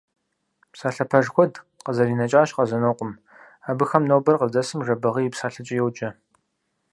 Псалъэ пэж куэд къызэринэкӀащ Къэзанокъуэм, абыхэм нобэр къыздэсым Жэбагъы и псалъэкӀэ йоджэ.